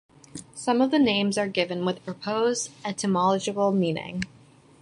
Some of the names are given with a proposed etymological meaning.